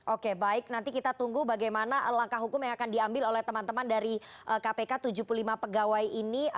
oke baik nanti kita tunggu bagaimana langkah hukum yang akan diambil oleh teman teman dari kpk tujuh puluh lima pegawai ini